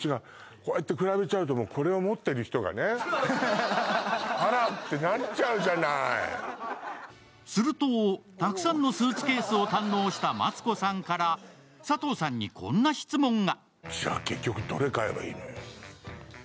こうやって比べちゃうと、これを持っている人がね、するとたくさんのスーツケースを堪能したマツコさんから佐藤さんにこんな質問が。